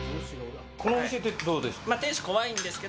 このお店ってどうですか？